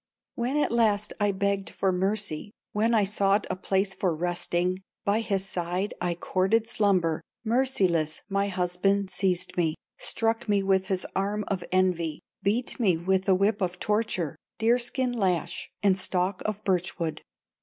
"When at last I begged for mercy, When I sought a place for resting, By his side I courted slumber, Merciless, my husband seized me, Struck me with his arm of envy, Beat me with the whip of torture, Deer skin lash and stalk of birch wood.